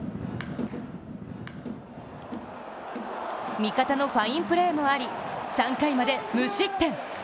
味方のファインプレーもあり、３回まで無失点。